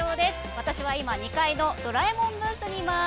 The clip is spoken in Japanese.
私は今２階の「ドラえもん」ブースにいます。